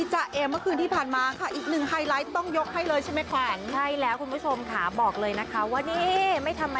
หนูไม่รู้ไปถึงเนื้อกันหนูไม่รู้